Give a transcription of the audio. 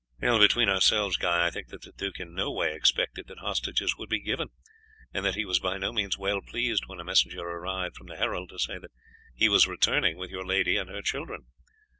"Between ourselves, Guy, I think that the duke in no way expected that hostages would be given, and that he was by no means well pleased when a messenger arrived from the herald to say that he was returning with your lady and her children.